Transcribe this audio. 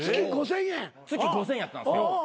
月５，０００円やったんですよ。